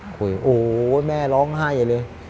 คุยโอ้โหแม่ร้องไห้เลย